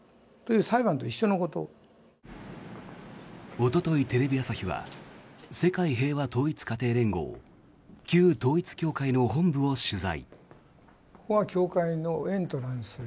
おととい、テレビ朝日は世界平和統一家庭連合旧統一教会の本部を取材。